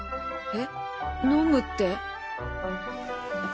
えっ飲むって。